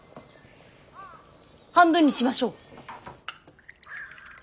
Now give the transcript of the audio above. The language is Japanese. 半分にしましょう！